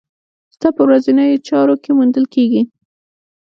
ستا په ورځنيو چارو کې موندل کېږي.